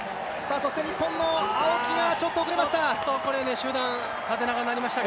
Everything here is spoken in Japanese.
そして日本の青木がちょっと遅れました。